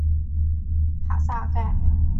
卡萨盖。